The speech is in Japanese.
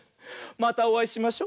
またおあいしましょ。